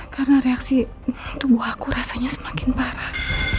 karena reaksi tubuh aku rasanya semakin parah